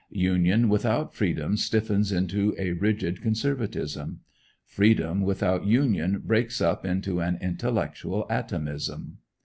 Union without freedom stiffens into a rigid conservatism. Freedom without union breaks up into an intellectual atomism.